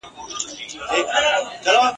د خزان یا مني په موسم کي !.